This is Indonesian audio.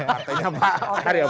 artinya pak arya